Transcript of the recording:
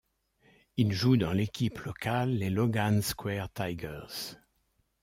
Il joue dans l'équipe locale, les Logan Square Tigers.